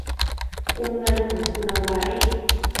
กุมเงินของคุณเอาไว้